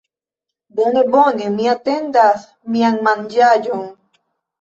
Bone, bone, mi atendas mian... manĝaĵon?